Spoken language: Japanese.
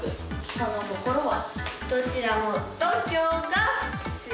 その心は。